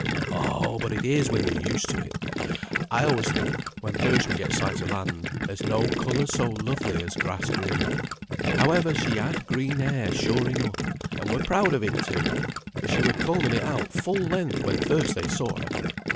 "Oh! but it is when you're used to it. I always think when first we get sight of land, there's no colour so lovely as grass green. However, she had green hair sure enough; and were proud enough of it, too; for she were combing it out full length when first they saw her.